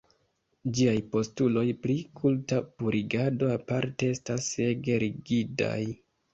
Ĝiaj postuloj pri kulta purigado, aparte, estas ege rigidaj.